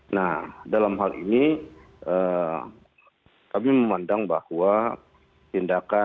nah dalam hal ini kami memandang bahwa tindakan